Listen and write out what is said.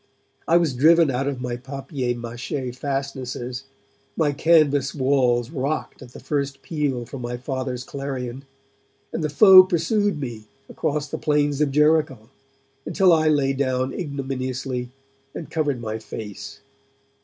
I was driven out of my papier mache fastnesses, my canvas walls rocked at the first peal from my Father's clarion, and the foe pursued me across the plains of Jericho until I lay down ignominiously and covered my face.